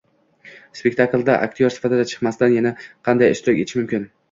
spektaklda aktyor sifatida chiqmasdan yana qanday ishtirok etish mumkin